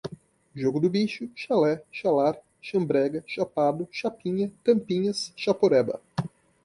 jogo do bicho, chalé, chalar, chambrega, chapado, chapinha, tampinhas, chaporeba